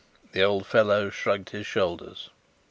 The old fellow shrugged his shoulders.